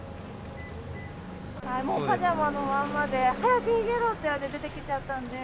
もうパジャマのまんまで、早く逃げろって言われて、出てきちゃったんで。